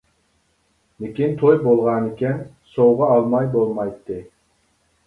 لېكىن توي بولغانىكەن، سوۋغا ئالماي بولمايتتى.